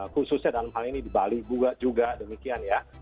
khususnya dalam hal ini di bali juga demikian ya